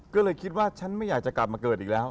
ก็เลยคิดว่าฉันไม่อยากจะกลับมาเกิดอีกแล้ว